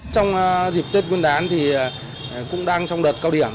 trong dịp tết nguyên đán thì cũng đang trong đợt cao điểm